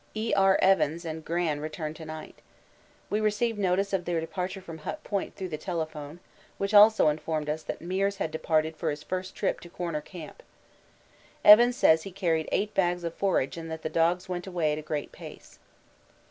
E.R. Evans and Gran return to night. We received notice of their departure from Hut Point through the telephone, which also informed us that Meares had departed for his first trip to Corner Camp. Evans says he carried eight bags of forage and that the dogs went away at a great pace.